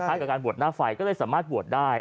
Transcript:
กับการบวชหน้าไฟก็เลยสามารถบวชได้